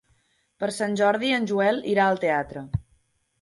Per Sant Jordi en Joel irà al teatre.